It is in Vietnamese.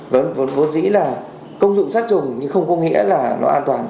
vốn dĩ là công dụng sắt chủng nhưng không có nghĩa là nó an toàn